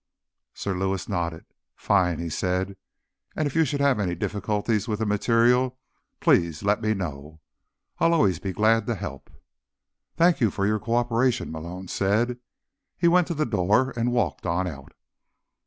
Sir Lewis nodded. "Fine," he said. "And, if you should have any difficulties with the material, please let me know. I'll always be glad to help." "Thanks for your co operation," Malone said. He went to the door, and walked on out.